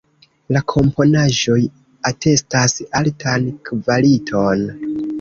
La komponaĵoj atestas altan kvaliton.